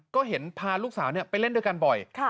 ก็เห็นพาลูกสาวไปเล่นด้วยกันบ่อย